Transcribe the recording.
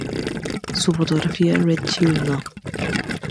Su fotografía ‘’Red Child No.